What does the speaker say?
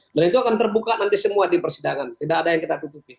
dan itu akan terbuka nanti semua di persidangan tidak ada yang kita tutupi